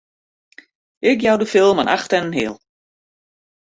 Ik jou de film in acht en in heal!